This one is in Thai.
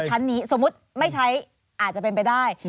ชั้นนี้สมมุติไม่ใช้อาจจะเป็นไปได้